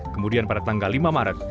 kemudian pada tanggal lima maret